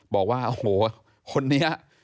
บอกว่าโอ้โหคนนี้